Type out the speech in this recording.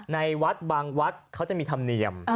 ในวัดบางวัดเขาจะมีธรรมเนียม